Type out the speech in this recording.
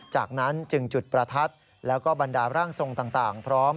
จากนั้นจึงจุดประทัดแล้วก็บรรดาร่างทรงต่างพร้อม